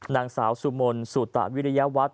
นางสาวสุมนสุตะวิริยวัตร